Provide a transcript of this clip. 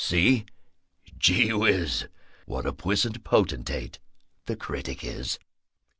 See? Gee whiz, What a puissant potentate the Critic is.